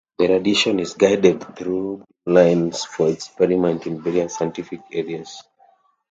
This radiation is guided through beamlines for experiments in various scientific areas.